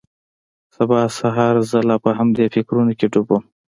سبا سهار زه لا په همدې فکرونو کښې ډوب وم.